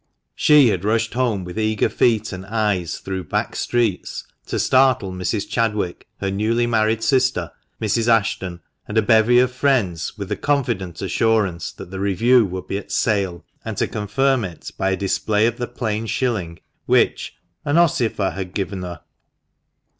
She had rushed home with eager feet and eyes, through back streets, to startle Mrs. Chadwick, her newly married sister, Mrs. Ashton, and a bevy of friends, with the confident assurance that the review would be at Sale, and to confirm it by a display of the plain shilling, which "an osifer had given her."